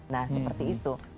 nah seperti itu